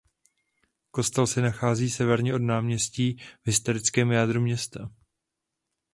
Kostel se nachází severně od náměstí v historickém jádru města.